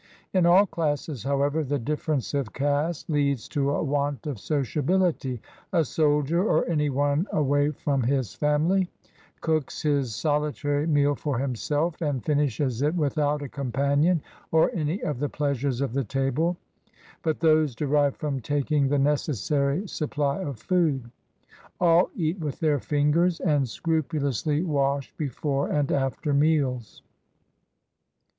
In all classes, however, the difference of caste leads to a want of sociabiHty. A soldier, or any one away from his family, cooks his sohtary meal for himself, and fin ishes it without a companion, or any of the pleasures of the table, but those derived from taking the necessary supply of food. All eat with their fingers, and scrupu lously wash before and after meals.